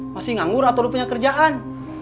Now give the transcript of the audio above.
masih nganggur atau udah punya kerjaan